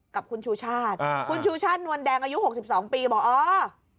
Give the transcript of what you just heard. กับคุณชูชาติคุณชูชาตินวลแดงอายุ๖๒ปีบอกอ๋อ